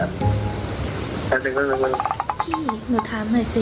พี่หนูถามหน่อยสิ